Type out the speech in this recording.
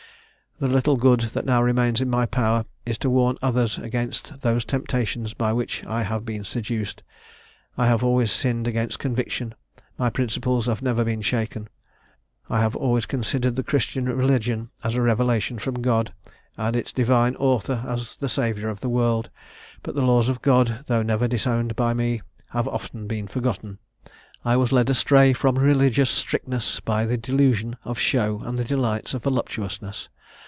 "The little good that now remains in my power is to warn others against those temptations by which I have been seduced. I have always sinned against conviction; my principles have never been shaken; I have always considered the Christian religion as a revelation from God, and its divine Author as the Saviour of the world; but the laws of God, though never disowned by me, have often been forgotten. I was led astray from religious strictness by the delusion of show and the delights of voluptuousness.